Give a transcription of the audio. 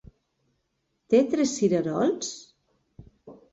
Té tres cirerols?